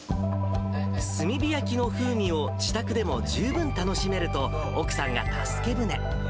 炭火焼きの風味を自宅でも十分楽しめると奥さんが助け舟。